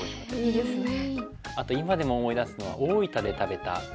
いいですね。